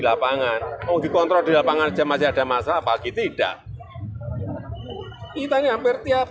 lapangan mau dikontrol di lapangan aja masih ada masalah apalagi tidak kita nyamper tiap